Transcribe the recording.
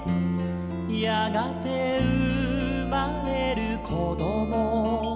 「やがてうまれるこどもたち」